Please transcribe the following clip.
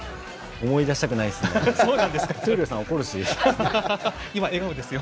思い出したくないですね。